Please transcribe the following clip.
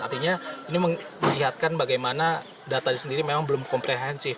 artinya ini melihatkan bagaimana datanya sendiri memang belum komprehensif